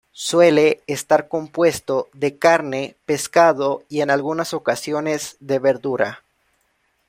Suele estar compuesto de carne, pescado y en algunas ocasiones de verdura.